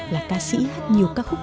là ca sĩ hát nhiều ca khúc